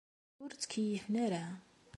Ur ttkeyyifen ara.